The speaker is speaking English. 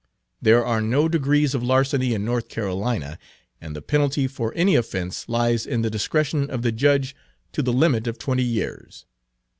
There are no degrees of larceny in North Carolina, and the penalty for any offense lies in the discretion of the judge, to the limit of twenty years.